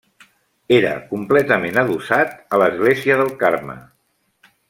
Era completament adossat a l'església del Carme.